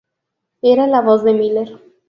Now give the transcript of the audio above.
Era la voz de Miller.